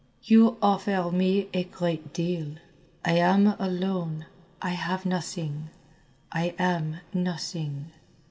"You offer me a great deal. I am alone, I have nothing, I am nothing."